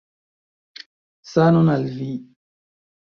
Sanon al vi!